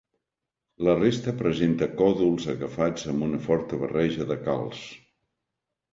La resta presenta còdols agafats amb una forta barreja de calç.